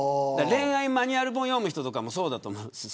恋愛マニュアル本を読む人とかもそうだと思うんですよ。